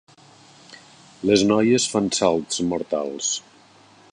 Les noies fan salts mortals.